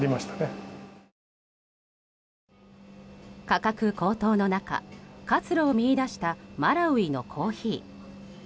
価格高騰の中、活路を見いだしたマラウイのコーヒー。